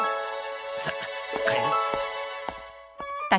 さあ帰ろう。